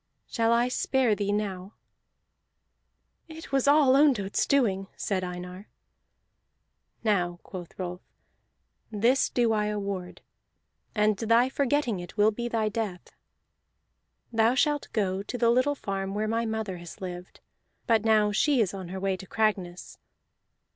Shall I spare thee now?" "It was all Ondott's doing," said Einar. "Now," quoth Rolf, "this do I award, and thy forgetting it will be thy death. Thou shalt go to the little farm where my mother has lived, but now she is on her way to Cragness.